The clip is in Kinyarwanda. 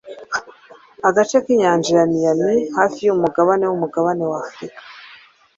Agace k'inyanja ya Miami, hafi y'umugabane w'umugabane wa Afurika,